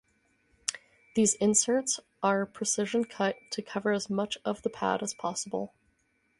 These inserts are precision cut to cover as much of the pad as possible.